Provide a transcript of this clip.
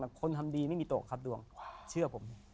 อันนี้มีโต๊ะครับดวงเชื่อผม